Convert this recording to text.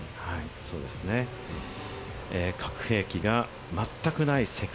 そうですね、核兵器がまったくない世界。